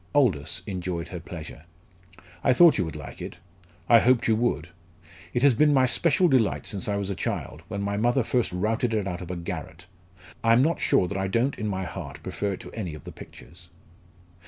Aldous enjoyed her pleasure. "I thought you would like it; I hoped you would. It has been my special delight since I was a child, when my mother first routed it out of a garret. I am not sure that I don't in my heart prefer it to any of the pictures."